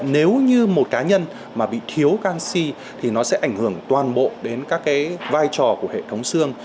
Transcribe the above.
nếu như một cá nhân mà bị thiếu canxi thì nó sẽ ảnh hưởng toàn bộ đến các cái vai trò của hệ thống xương